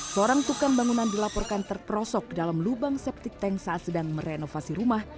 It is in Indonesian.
seorang tukang bangunan dilaporkan terperosok dalam lubang septic tank saat sedang merenovasi rumah